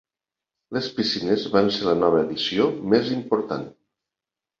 Les piscines van ser la nova addició més important.